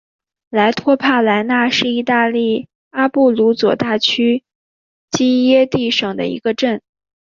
莱托帕莱纳是意大利阿布鲁佐大区基耶蒂省的一个镇。